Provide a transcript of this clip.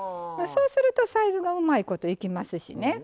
そうするとサイズがうまいこといきますしね。